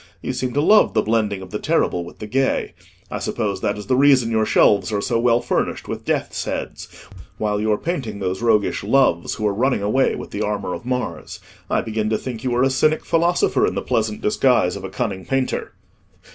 You seem to love the blending of the terrible with the gay. I suppose that is the reason your shelves are so well furnished with death's heads, while you are painting those roguish Loves who are running away with the armour of Mars. I begin to think you are a Cynic philosopher in the pleasant disguise of a cunning painter."